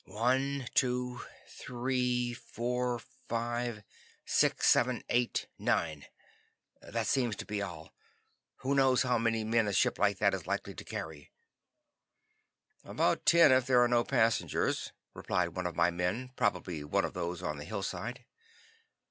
"One two three four, five six seven eight nine. That seems to be all. Who knows how many men a ship like that is likely to carry?" "About ten, if there are no passengers," replied one of my men, probably one of those on the hillside.